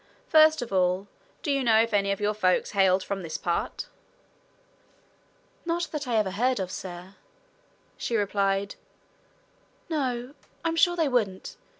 First of all, do you know if any of your folks hailed from this part?" "Not that I ever heard of, sir," she replied. "No, I'm sure they wouldn't.